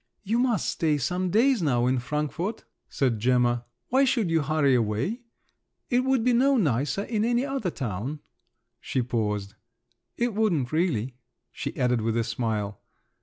"You must stay some days now in Frankfort," said Gemma: "why should you hurry away? It would be no nicer in any other town." She paused. "It wouldn't, really," she added with a smile.